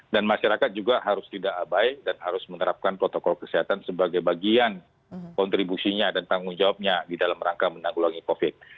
dan masyarakat juga harus tidak abai dan harus menerapkan protokol kesehatan sebagai bagian kontribusinya dan tanggung jawabnya di dalam rangka menanggulangi covid